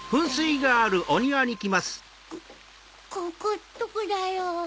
ここどこだろう？